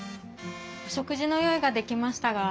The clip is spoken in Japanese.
お食事の用意ができましたが。